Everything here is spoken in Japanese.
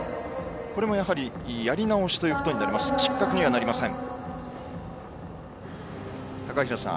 これもやはりやり直しということで失格にはなりません。